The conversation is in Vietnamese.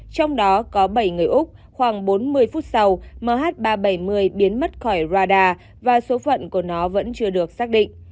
trong đó có bảy người úc khoảng bốn mươi phút sau mh ba trăm bảy mươi biến mất khỏi radar và số phận của nó vẫn chưa được xác định